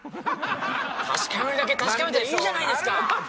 確かめるだけ確かめたらいいじゃないですか！